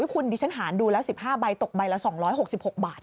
คุณดิฉันหารดูแล้ว๑๕ใบตกใบละ๒๖๖บาท